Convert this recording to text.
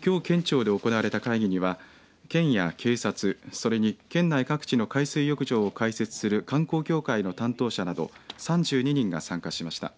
きょう県庁で行われた会議には県や警察、それに県内各地の海水浴場を開設する観光協会の担当者など３２人が参加しました。